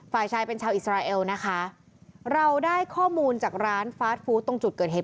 ฝ่ายชายเป็นชาวอิสราเอลนะคะเราได้ข้อมูลจากร้านฟาสฟู้ดตรงจุดเกิดเหตุ